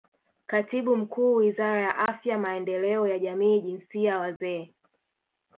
Katibu Mkuu Wizara ya Afya Maendeleo ya Jamii Jinsia Wazee